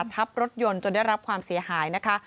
ทับรถยนต์จนได้รับความเสียหายนะคะ